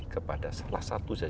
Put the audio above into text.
kepada salah satu orang